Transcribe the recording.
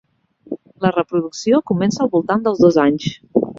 La reproducció comença al voltant dels dos anys.